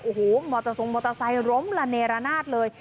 โอ้โหมอเตอร์ทรงมอเตอร์ไซค์ล้มระเนรนาศเลย